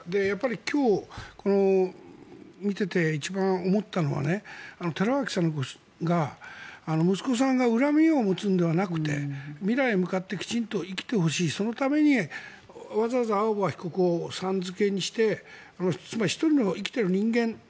今日、見ていて一番思ったのは寺脇さんが、息子さんが恨みを持つのではなくて未来に向かってきちんと生きてほしいそのためにわざわざ青葉被告をさん付けにしてつまり１人の生きている人間